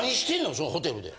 そのホテルで。